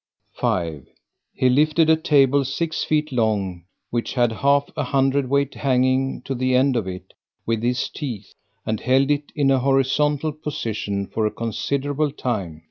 5. He lifted a table six feet long, which had half a hundred weight hanging to the end of it, with his teeth, and held it in a horizontal position for a considerable time.